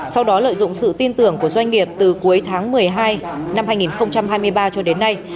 sau đó lợi dụng sự tin tưởng của doanh nghiệp từ cuối tháng một mươi hai năm hai nghìn hai mươi ba cho đến nay